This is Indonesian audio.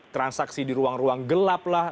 transaksi di ruang ruang gelap lah